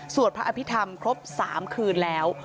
พระอภิษฐรรมครบ๓คืนแล้ว